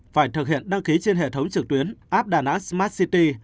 phải thực hiện đăng ký trên hệ thống trực tuyến app đà nẵng smart city